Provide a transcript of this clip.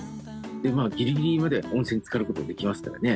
でギリギリまで温泉につかる事ができますからね。